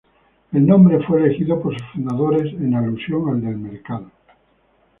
El nombre fue elegido por sus fundadores en alusión al del mercado.